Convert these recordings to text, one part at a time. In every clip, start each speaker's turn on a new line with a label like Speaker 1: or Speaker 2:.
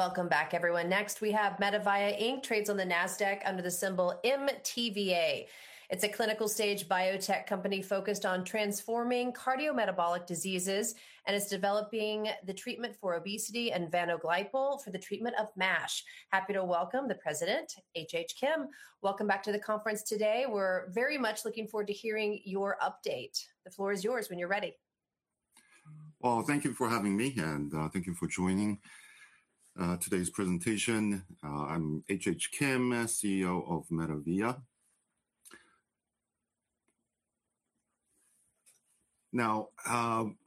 Speaker 1: Welcome back, everyone. We have MetaVia Inc., trades on the Nasdaq under the symbol MTVA. It's a clinical stage biotech company focused on transforming cardiometabolic diseases. It's developing the treatment for obesity and vanogliprl for the treatment of MASH. Happy to welcome the president, H.H. Kim. Welcome back to the conference today. We're very much looking forward to hearing your update. The floor is yours when you're ready.
Speaker 2: Well, thank you for having me. Thank you for joining today's presentation. I'm H.H. Kim, CEO of MetaVia.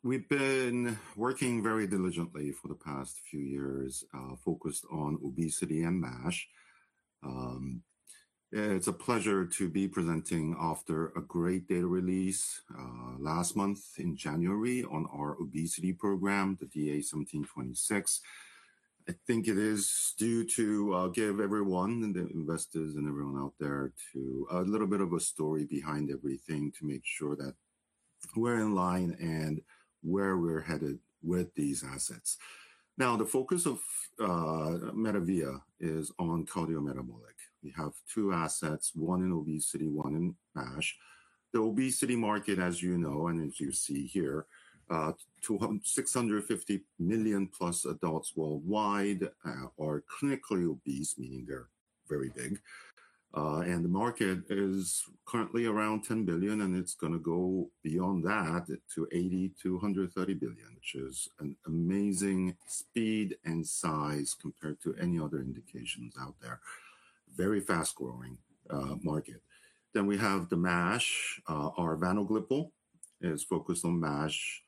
Speaker 2: We've been working very diligently for the past few years, focused on obesity and MASH. It's a pleasure to be presenting after a great data release last month in January on our obesity program, the DA-1726. I think it is due to give everyone and the investors and everyone out there a little bit of a story behind everything to make sure that we're in line and where we're headed with these assets. The focus of MetaVia is on cardiometabolic. We have two assets, one in obesity, one in MASH. The obesity market, as you know, and as you see here, 650 million+ adults worldwide are clinically obese, meaning they're very big. The market is currently around $10 billion, and it's gonna go beyond that to $80 billion-$130 billion, which is an amazing speed and size compared to any other indications out there. Very fast-growing market. We have the MASH. Our Vanoglipel is focused on MASH.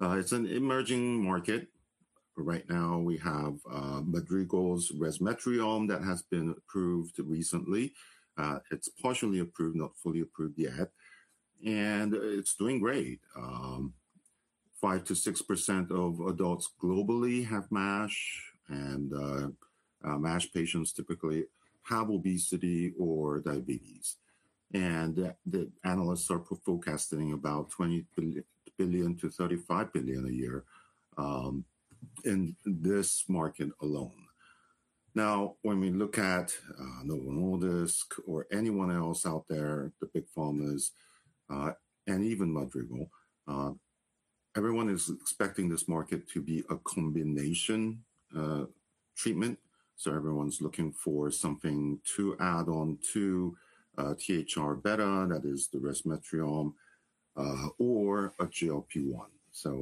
Speaker 2: It's an emerging market. Right now, we have Madrigal's resmetirom that has been approved recently. It's partially approved, not fully approved yet, and it's doing great. 5%-6% of adults globally have MASH, and MASH patients typically have obesity or diabetes. The analysts are forecasting about $20 billion-$35 billion a year in this market alone. When we look at Novo Nordisk or anyone else out there, the big pharmas, and even Madrigal, everyone is expecting this market to be a combination treatment. Everyone's looking for something to add on to THR-β, that is the resmetirom, or a GLP-1.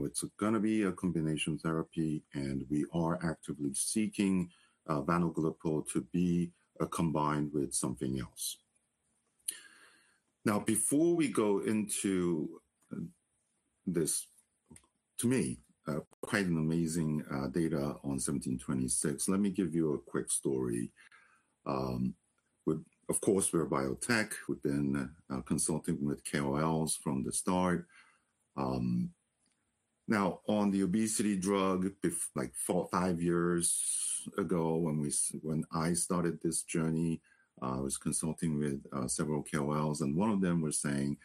Speaker 2: It's gonna be a combination therapy, and we are actively seeking vanoglipol to be combined with something else. Before we go into this, to me, quite an amazing data on 1726, let me give you a quick story. Of course, we're a biotech. We've been consulting with KOLs from the start. On the obesity drug, like 4, 5 years ago, when I started this journey, I was consulting with several KOLs, one of them was saying: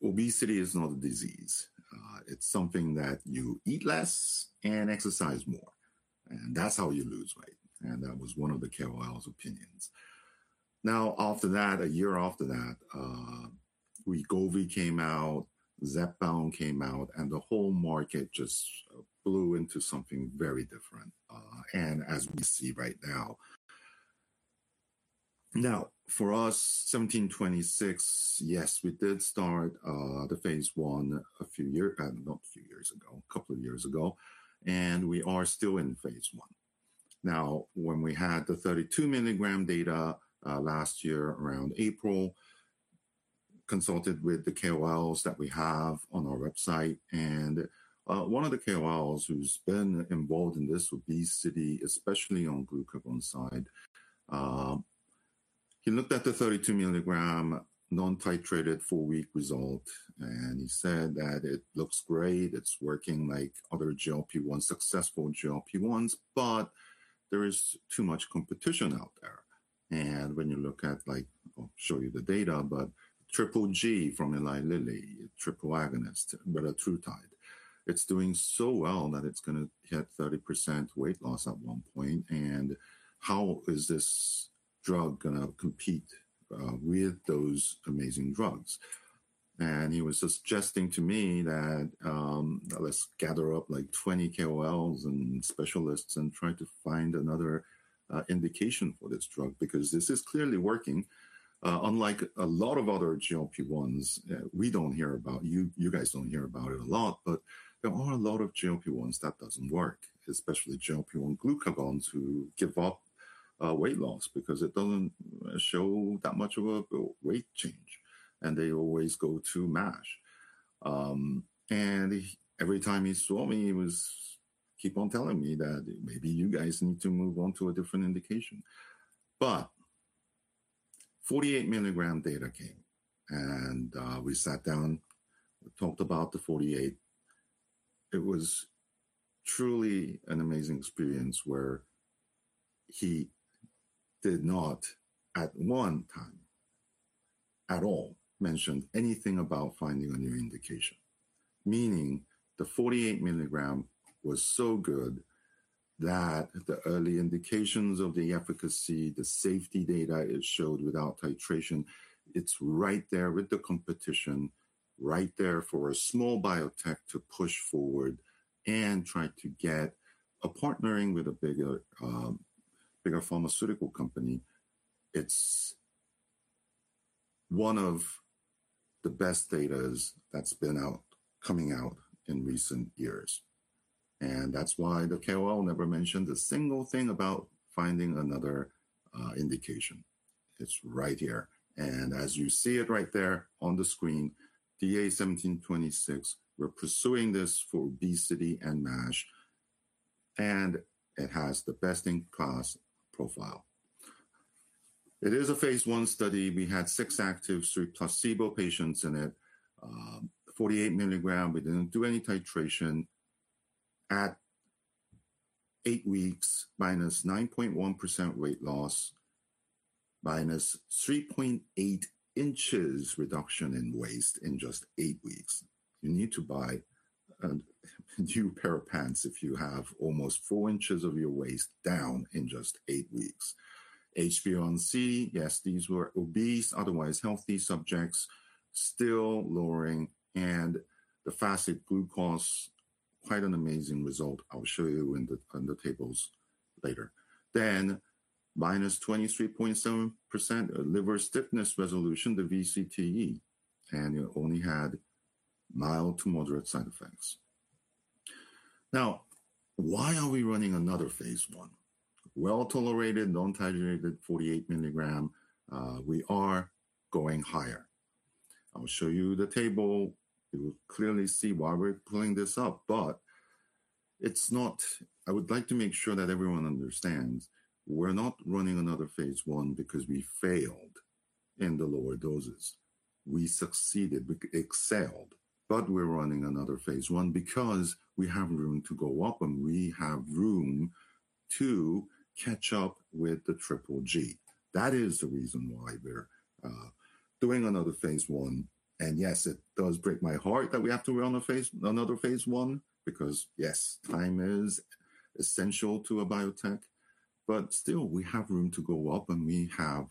Speaker 2: "Obesity is not a disease. It's something that you eat less and exercise more, and that's how you lose weight." That was one of the KOL's opinions. After that, a year after that, Wegovy came out, Zepbound came out, and the whole market just blew into something very different, and as we see right now. For us, 1726, yes, we did start the phase I a few year, not a few years ago, a couple of years ago, and we are still in phase I. When we had the 32 mg data last year, around April, consulted with the KOLs that we have on our website and one of the KOLs who's been involved in this obesity, especially on glucagon side, he looked at the 32 mg non-titrated four-week result, and he said that it looks great, it's working like other GLP-1, successful GLP-1s. There is too much competition out there. When you look at like, I'll show you the data. Triple G from Eli Lilly, triple agonist, retatrutide. It's doing so well that it's gonna hit 30% weight loss at one point. How is this drug gonna compete with those amazing drugs? He was suggesting to me that, let's gather up like 20 KOLs and specialists and try to find another indication for this drug, because this is clearly working. Unlike a lot of other GLP-1s, we don't hear about, you guys don't hear about it a lot, but there are a lot of GLP-1s that doesn't work, especially GLP-1 glucagons who give up weight loss because it doesn't show that much of a weight change, and they always go to MASH. Every time he saw me, he was keep on telling me that, "Maybe you guys need to move on to a different indication." 48 mg data came, we sat down, we talked about the 48. It was truly an amazing experience where he did not at one time. at all mentioned anything about finding a new indication, meaning the 48 mg was so good that the early indications of the efficacy, the safety data it showed without titration, it's right there with the competition, right there for a small biotech to push forward and try to get a partnering with a bigger pharmaceutical company. It's one of the best datas that's been out, coming out in recent years, and that's why the KOL never mentioned a single thing about finding another indication. It's right here, and as you see it right there on the screen, DA-1726, we're pursuing this for obesity and MASH, and it has the best-in-class profile. It is a phase I study. We had 6 active through placebo patients in it. 48 mg, we didn't do any titration. At 8 weeks, -9.1% weight loss, -3.8 inches reduction in waist in just 8 weeks. You need to buy a new pair of pants if you have almost 4 inches of your waist down in just 8 weeks. HbA1c, yes, these were obese, otherwise healthy subjects, still lowering, and the fasted glucose, quite an amazing result. I will show you on the tables later. -23.7% liver stiffness resolution, the VCTE, and it only had mild to moderate side effects. Now, why are we running another phase I? Well-tolerated, non-titrated, 48 mg, we are going higher. I will show you the table. You will clearly see why we're pulling this up. I would like to make sure that everyone understands, we're not running another phase I because we failed in the lower doses. We succeeded, we excelled, but we're running another phase I because we have room to go up and we have room to catch up with the Triple G. That is the reason why we're doing another phase I. Yes, it does break my heart that we have to run another phase I, because, yes, time is essential to a biotech, but still, we have room to go up, and we have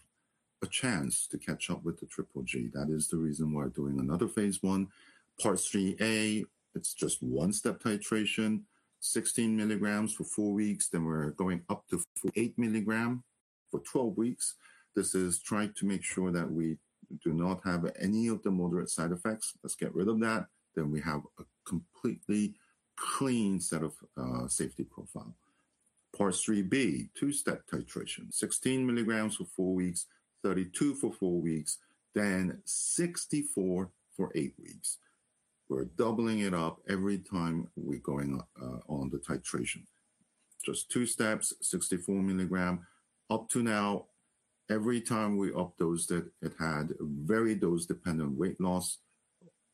Speaker 2: a chance to catch up with the Triple G. That is the reason we're doing another phase I. Part III-A, it's just one-step titration, 16 mg for four weeks, then we're going up to 8mg for 12 weeks. This is trying to make sure that we do not have any of the moderate side effects. Let's get rid of that, then we have a completely clean set of safety profile. Part III-B, 2-step titration, 16 mg for four weeks, 32 for four weeks, then 64 for eight weeks. We're doubling it up every time we're going up on the titration. Just two steps, 64 mg. Up to now, every time we up-dosed it had very dose-dependent weight loss.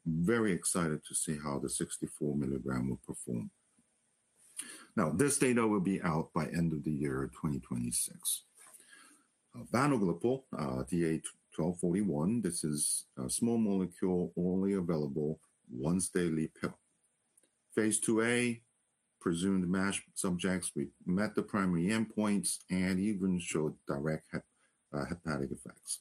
Speaker 2: Very excited to see how the 64 mg will perform. This data will be out by end of the year, 2026. Vanoglipel, DA-1241. This is a small molecule, orally available, once-daily pill. Phase IIA, presumed MASH subjects. We met the primary endpoints and even showed direct hepatic effects.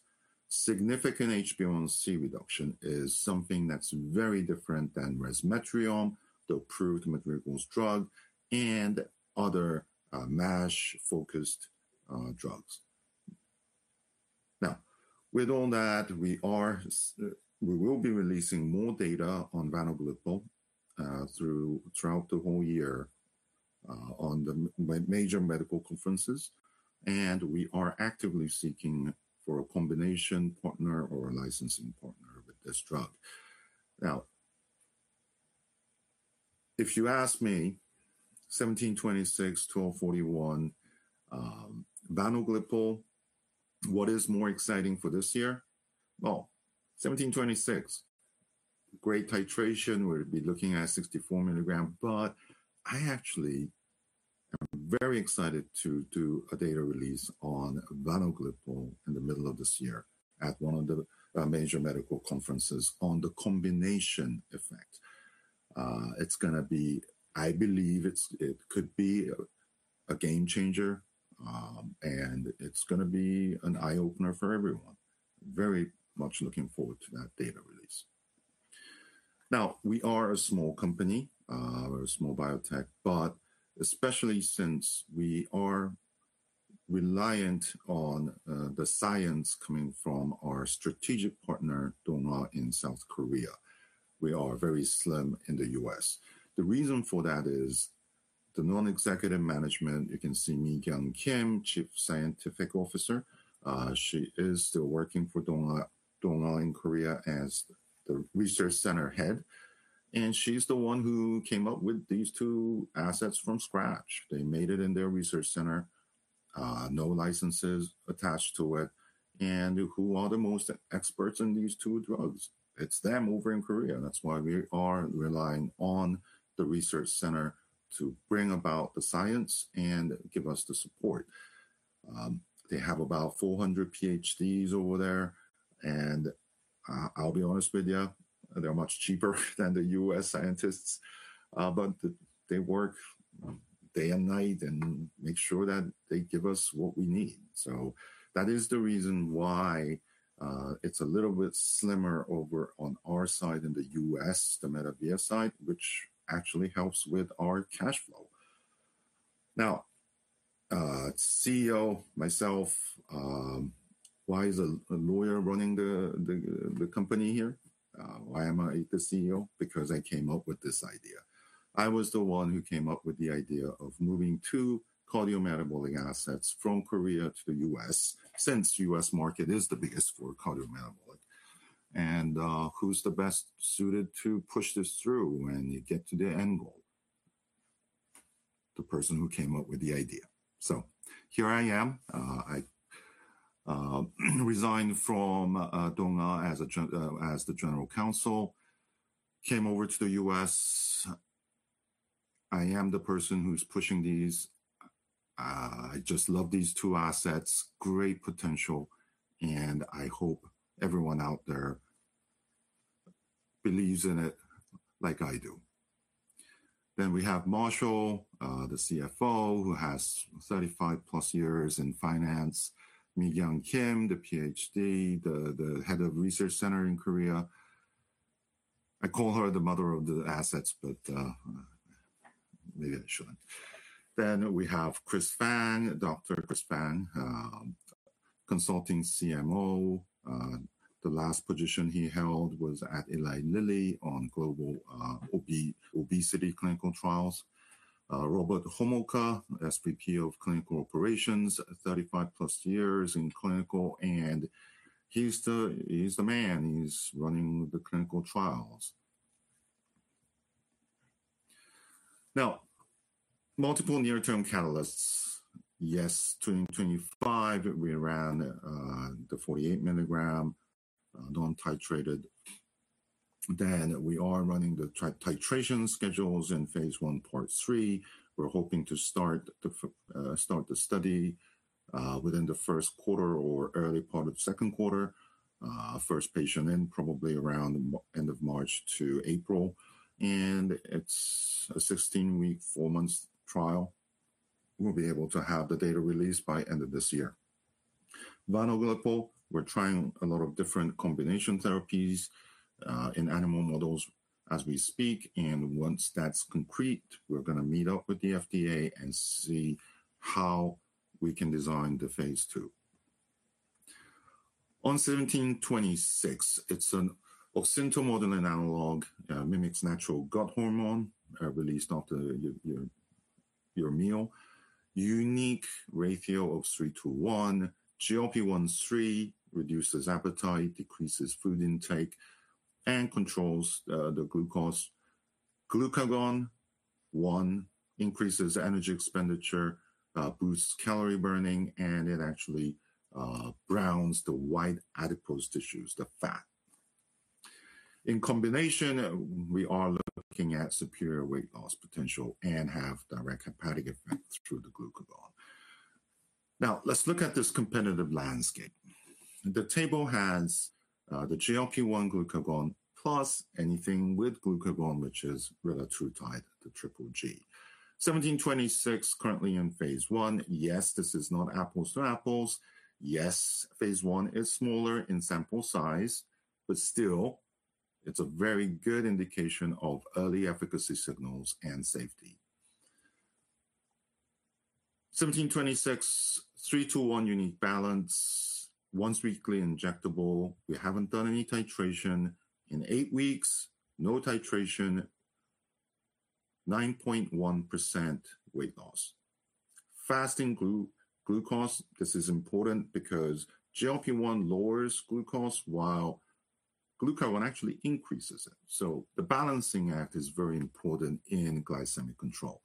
Speaker 2: Significant HbA1c reduction is something that's very different than resmetirom, the approved medicinal drug, and other MASH-focused drugs. With all that, we will be releasing more data on vanoglipol throughout the whole year on the major medical conferences, and we are actively seeking for a combination partner or a licensing partner with this drug. If you ask me, 1726, 1241, vanoglipol, what is more exciting for this year? 1726, great titration. We'll be looking at 64 mg, but I actually am very excited to do a data release on vanoglipol in the middle of this year at one of the major medical conferences on the combination effect. It's gonna be. I believe it could be a game changer, and it's gonna be an eye-opener for everyone. Very much looking forward to that data release. Now, we are a small company, we're a small biotech, but especially since we are reliant on the science coming from our strategic partner, Dongwha, in South Korea, we are very slim in the U.S. The reason for that is the non-executive management, you can see Mi-Kyoung Kim, Chief Scientific Officer, she is still working for Dongwha in Korea as the research center head, and she's the one who came up with these two assets from scratch. They made it in their research center, no licenses attached to it. Who are the most experts in these two drugs? It's them over in Korea. That's why we are relying on the research center to bring about the science and give us the support. They have about 400 PhDs over there, I'll be honest with you, they're much cheaper than the U.S. scientists. They work day and night and make sure that they give us what we need. That is the reason why it's a little bit slimmer over on our side in the U.S., the MetaVia side, which actually helps with our cash flow. CEO, myself, why is a lawyer running the company here? Why am I the CEO? I came up with this idea. I was the one who came up with the idea of moving two cardiometabolic assets from Korea to the U.S., since U.S. market is the biggest for cardiometabolic. Who's the best suited to push this through when you get to the end goal? The person who came up with the idea. Here I am. I resigned from Dong-A as the General Counsel, came over to the U.S. I am the person who's pushing these. I just love these two assets. Great potential. I hope everyone out there believes in it like I do. We have Marshall, the CFO, who has 35+ years in finance. Mi-Kyoung Kim, the PhD, the head of research center in Korea. I call her the mother of the assets, maybe I shouldn't. We have Chris Feng, Dr. Chris Feng, consulting CMO. The last position he held was at Eli Lilly on global obesity clinical trials. Robert Homolka, SVP of Clinical Operations, 35+ years in clinical, and he's the man, he's running the clinical trials. Multiple near-term catalysts. 2025, we ran the 48 mg non-titrated. We are running the titration schedules in phase I, Part III. We're hoping to start the study within the first quarter or early part of second quarter. First patient in probably around end of March to April, and it's a 16-week, 4-month trial. We'll be able to have the data released by end of this year. Vanoglipel, we're trying a lot of different combination therapies in animal models as we speak, and once that's concrete, we're going to meet up with the FDA and see how we can design the phase II. DA-1726, it's an Oxyntomodulin analog, mimics natural gut hormone released after your meal. Unique ratio of 3 to 1. GLP-1 reduces appetite, decreases food intake, and controls the glucose. Glucagon increases energy expenditure, boosts calorie burning, and it actually browns the white adipose tissues, the fat. In combination, we are looking at superior weight loss potential and have direct hepatic effects through the glucagon. Let's look at this competitive landscape. The table has the GLP-1 glucagon plus anything with glucagon, which is retatrutide, the Triple G. 1726, currently in phase I. Yes, this is not apples to apples. Phase I is smaller in sample size, still, it's a very good indication of early efficacy signals and safety. 1726, 3 to 1 unique balance, once-weekly injectable. We haven't done any titration. In 8 weeks, no titration, 9.1% weight loss. Fasting glucose, this is important because GLP-1 lowers glucose, while glucagon actually increases it, so the balancing act is very important in glycemic control.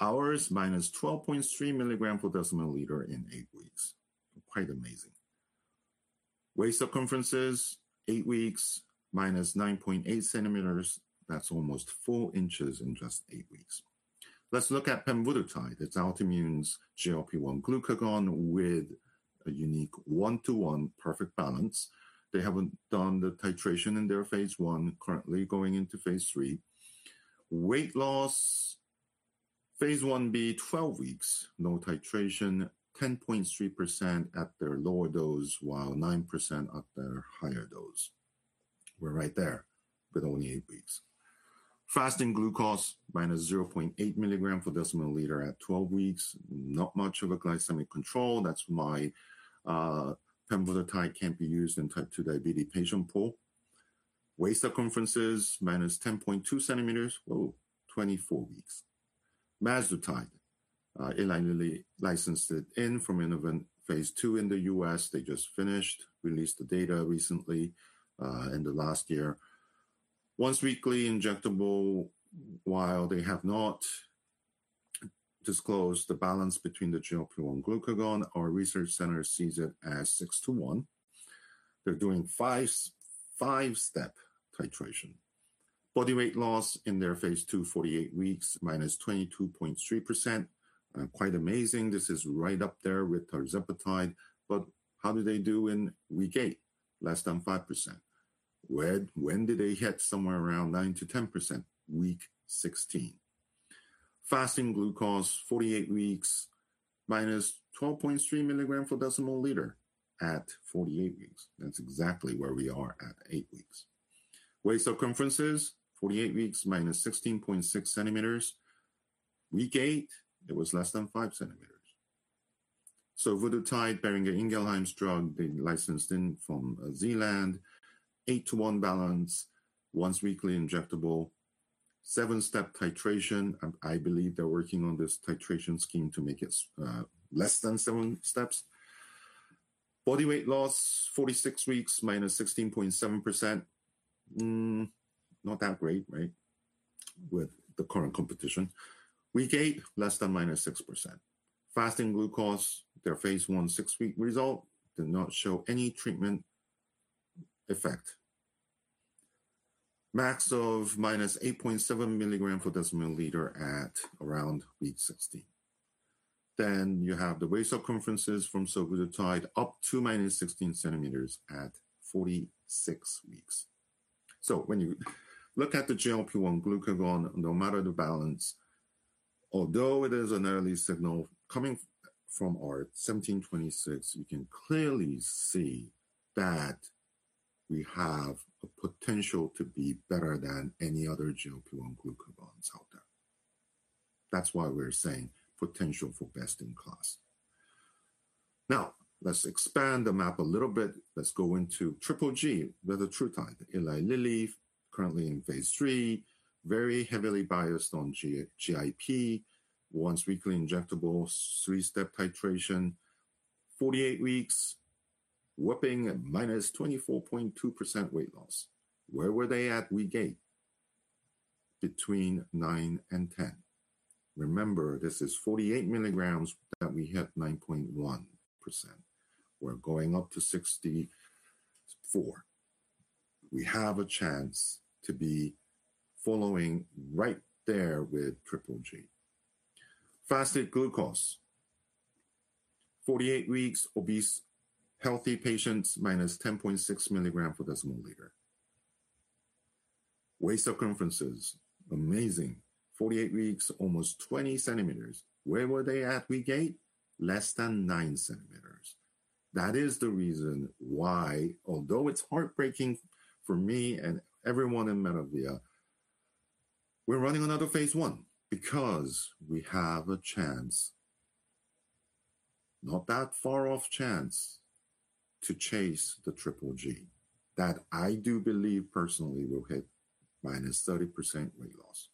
Speaker 2: Ours, -12.3 mg per deciliter in eight weeks. Quite amazing. Waist circumferences, eight weeks, -9.8 cms, that's almost four inches in just eight weeks. Let's look at pemvidutide. It's Altimmune's GLP-1 glucagon with a unique 1-to-1 perfect balance. They haven't done the titration in their phase I, currently going into phase III. Weight loss, phase IA, 12 weeks, no titration, 10.3% at their lower dose, while 9% at their higher dose. We're right there, with only eight weeks. Fasting glucose, -0.8 mg per deciliter at 12 weeks. Not much of a glycemic control. That's why pemvidutide can't be used in type 2 diabetes patient pool. Waist circumferences, -10.2 cm, whoa, 24 weeks. Mazdutide, Eli Lilly licensed it in from Innovent phase II in the U.S. They just finished, released the data recently, in the last year. Once-weekly injectable, while they have not disclose the balance between the GLP-1 glucagon. Our research center sees it as 6 to 1. They're doing 5-step titration. Body weight loss in their phase II, 48 weeks,-22.3%. Quite amazing. This is right up there with tirzepatide. How do they do in week 8? Less than 5%. When did they hit somewhere around 9%-10%? Week 16. Fasting glucose, 48 weeks, -12.3 mg/dL at 48 weeks. That's exactly where we are at 8 weeks. Waist circumferences, 48 weeks, -16.6 cm. Week 8, it was less than 5 cm. survodutide, Boehringer Ingelheim's drug, being licensed in from Zealand, 8 to 1 balance, once weekly injectable, 7-step titration. I believe they're working on this titration scheme to make it less than 7 steps. Body weight loss, 46 weeks, -16.7%. Not that great, right? With the current competition. Week 8, less than -6%. Fasting glucose, their phase I, six week result did not show any treatment effect. Max of -8.7 mg/dL at around week 16. You have the waist circumferences from survodutide, up to -16 cm at 46 weeks. When you look at the GLP-1 glucagon, no matter the balance, although it is an early signal coming from our DA-1726, you can clearly see that we have a potential to be better than any other GLP-1 glucagons out there. That's why we're saying potential for best-in-class. Let's expand the map a little bit. Let's go into triple G with the retatrutide. Eli Lilly, currently in phase III, very heavily biased on GIP, once-weekly injectable, three-step titration. 48 weeks, whopping -24.2% weight loss. Where were they at week eight? Between 9 and 10. Remember, this is 48 mg that we hit 9.1%. We're going up to 64. We have a chance to be following right there with GGG. Fasting glucose, 48 weeks, obese, healthy patients, -10.6 mg/dL. Waist circumferences, amazing. 48 weeks, almost 20 cm. Where were they at week 8? Less than 9 cm. That is the reason why, although it's heartbreaking for me and everyone in MetaVia, we're running another phase I, because we have a chance, not that far off chance, to chase the Triple G, that I do believe personally will hit -30% weight loss.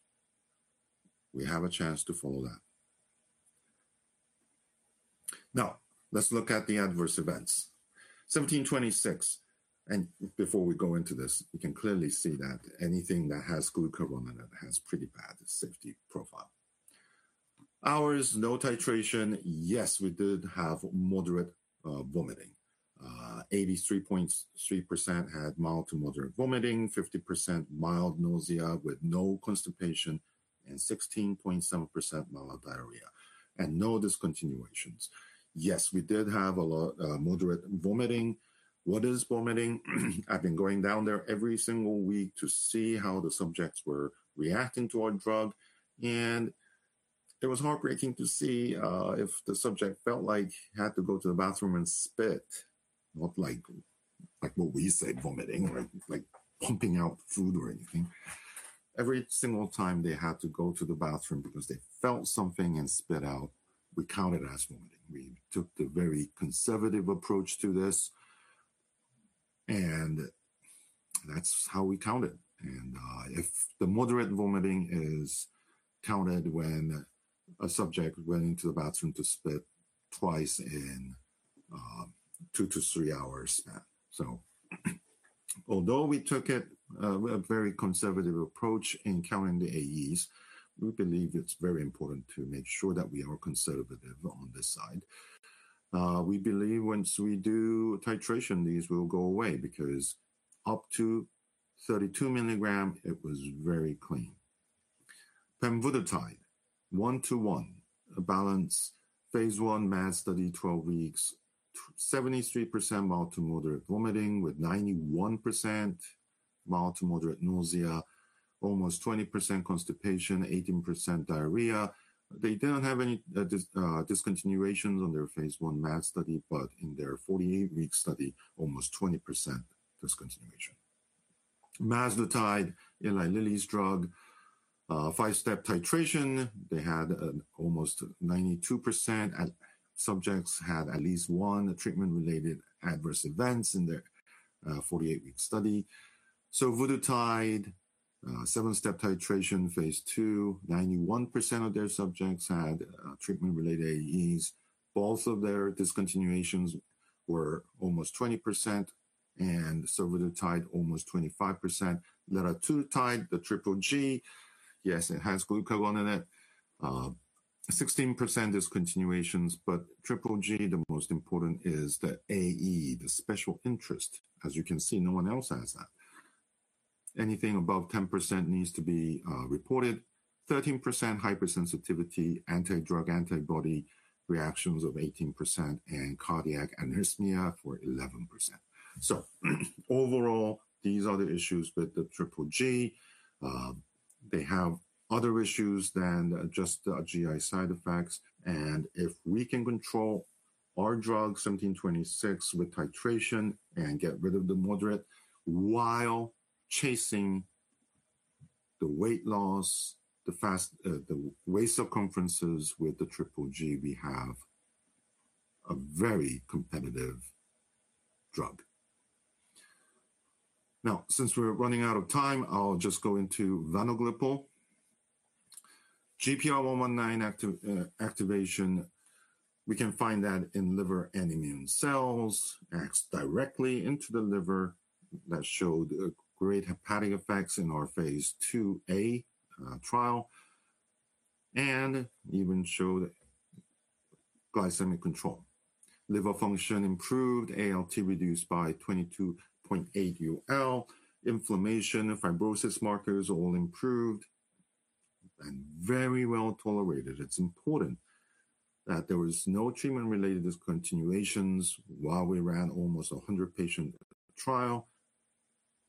Speaker 2: We have a chance to follow that. Let's look at the adverse events. DA-1726, before we go into this, we can clearly see that anything that has glucagon in it has pretty bad safety profile. Ours, no titration. Yes, we did have moderate vomiting. 83.3% had mild to moderate vomiting, 50% mild nausea with no constipation, 16.7% mild diarrhea, no discontinuations. Yes, we did have a lot, moderate vomiting. What is vomiting? I've been going down there every single week to see how the subjects were reacting to our drug. It was heartbreaking to see if the subject felt like he had to go to the bathroom and spit, not like what we say, vomiting, right? Pumping out food or anything. Every single time they had to go to the bathroom because they felt something and spit out, we counted it as vomiting. We took the very conservative approach to this. That's how we counted. If the moderate vomiting is counted when a subject went into the bathroom to spit twice in 2 to 3 hours. Although we took it a very conservative approach in counting the AEs, we believe it's very important to make sure that we are conservative on this side. We believe once we do titration, these will go away because up to 32 mg, it was very clean. Pemvidutide, 1 to 1, a balance phase I MASH study, 12 weeks, 73% mild to moderate vomiting, with 91% mild to moderate nausea, almost 20% constipation, 18% diarrhea. They didn't have any discontinuations on their phase I MASH study, but in their 48-week study, almost 20% discontinuation. Mazdutide, Eli Lilly's drug, 5-step titration, they had almost 92% subjects had at least one treatment-related adverse events in their 48-week study. Survodutide, 7-step titration, phase II, 91% of their subjects had treatment-related AEs. Both of their discontinuations were almost 20%, and tirzepatide almost 25%. Retatrutide, the Triple G, yes, it has glucagon in it. 16% discontinuations, Triple G, the most important is the AE, the special interest. As you can see, no one else has that. Anything above 10% needs to be reported. 13% hypersensitivity, anti-drug antibody reactions of 18%, and cardiac arrhythmia for 11%. Overall, these are the issues with the Triple G. They have other issues than just GI side effects, and if we can control our drug, DA-1726, with titration and get rid of the moderate while chasing the weight loss, the fast, the waist circumferences with the Triple G, we have a very competitive drug. Since we're running out of time, I'll just go into Vanoglipel. GPR119 activation, we can find that in liver and immune cells, acts directly into the liver. That showed great hepatic effects in our phase IIA trial, and even showed glycemic control. Liver function improved, ALT reduced by 22.8 UL, inflammation, fibrosis markers all improved, and very well tolerated. It's important that there was no treatment-related discontinuations while we ran almost a 100-patient trial.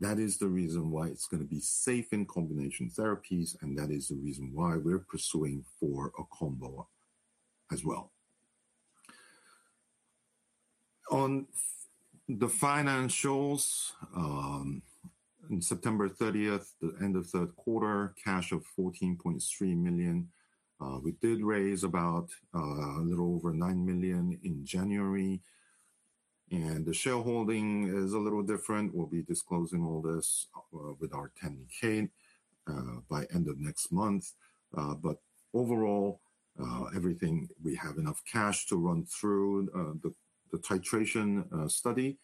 Speaker 2: That is the reason why it's gonna be safe in combination therapies, and that is the reason why we're pursuing for a combo as well. On the financials, in September 30th, the end of third quarter, cash of $14.3 million. We did raise about a little over $9 million in January, and the shareholding is a little different. We'll be disclosing all this with our 10-K by end of next month. Overall, everything, we have enough cash to run through the titration study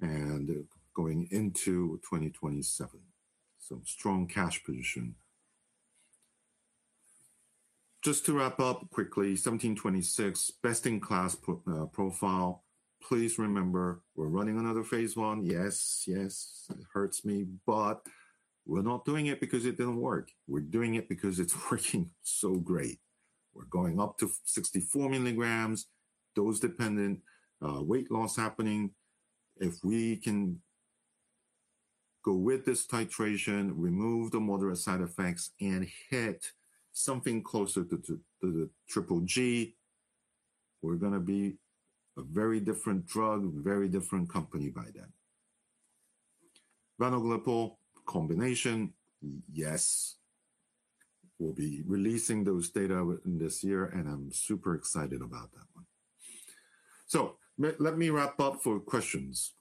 Speaker 2: and going into 2027. Strong cash position. Just to wrap up quickly, DA-1726, best-in-class pro profile. Please remember, we're running another phase I. Yes, yes, it hurts me, but we're not doing it because it didn't work. We're doing it because it's working so great. We're going up to 64 milligrams, dose-dependent weight loss happening. If we can go with this titration, remove the moderate side effects, and hit something closer to the Triple G, we're gonna be a very different drug, very different company by then. Vanoglipel combination, yes, we'll be releasing those data within this year, and I'm super excited about that one. Let me wrap up for questions.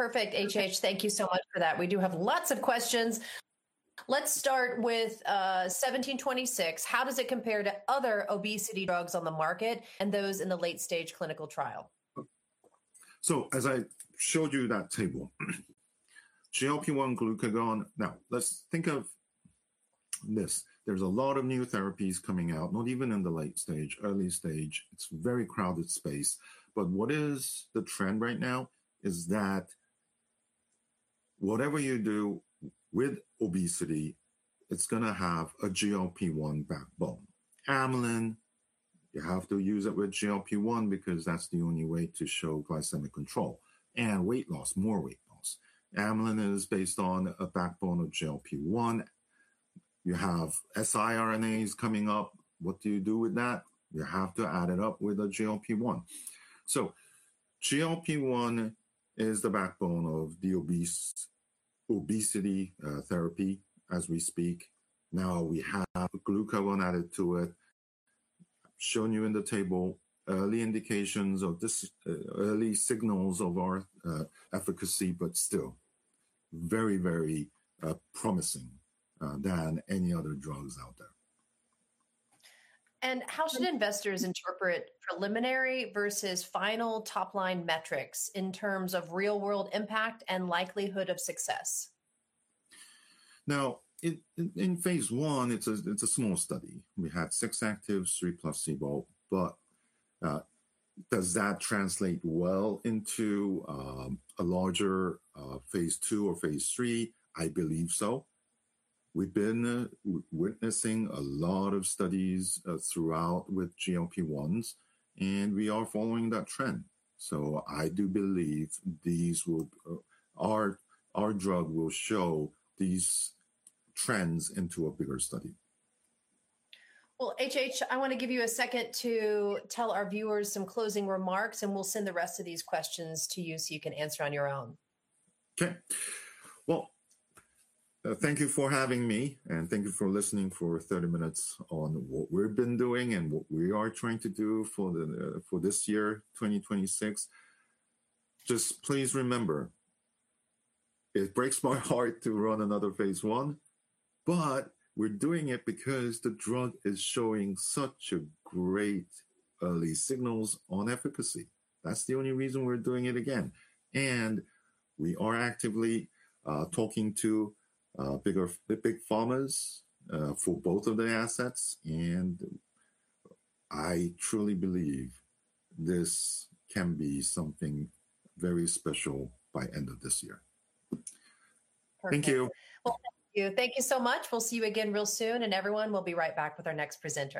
Speaker 1: Perfect, H.H. Kim, thank you so much for that. We do have lots of questions. Let's start with 1726. How does it compare to other obesity drugs on the market and those in the late-stage clinical trial?
Speaker 2: As I showed you that table, GLP-1 glucagon. Let's think of this. There's a lot of new therapies coming out, not even in the late stage, early stage. It's a very crowded space. What is the trend right now is that whatever you do with obesity, it's gonna have a GLP-1 backbone. Amylin, you have to use it with GLP-1 because that's the only way to show glycemic control and weight loss, more weight loss. Amylin is based on a backbone of GLP-1. You have siRNAs coming up. What do you do with that? You have to add it up with a GLP-1. GLP-1 is the backbone of the obesity therapy as we speak. We have glucagon added to it, showing you in the table early indications of this, early signals of our efficacy, but still very, very promising than any other drugs out there.
Speaker 1: How should investors interpret preliminary versus final top-line metrics in terms of real-world impact and likelihood of success?
Speaker 2: In phase I, it's a small study. We had six actives, three plus placebo. Does that translate well into a larger phase II or phase III? I believe so. We've been witnessing a lot of studies throughout with GLP-1s, and we are following that trend, so I do believe these will. Our drug will show these trends into a bigger study.
Speaker 1: Well, H.H., I wanna give you a second to tell our viewers some closing remarks. We'll send the rest of these questions to you, so you can answer on your own.
Speaker 2: Okay. Well, thank you for having me, and thank you for listening for 30 minutes on what we've been doing and what we are trying to do for the for this year, 2026. Just please remember, it breaks my heart to run another phase I, but we're doing it because the drug is showing such a great early signals on efficacy. That's the only reason we're doing it again. We are actively talking to bigger, the big pharmas, for both of their assets, and I truly believe this can be something very special by end of this year.
Speaker 1: Perfect.
Speaker 2: Thank you!
Speaker 1: Well, thank you. Thank you so much. We'll see you again real soon, and everyone, we'll be right back with our next presenter.